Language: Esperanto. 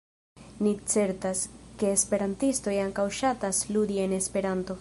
Ni certas, ke esperantistoj ankaŭ ŝatas ludi en Esperanto!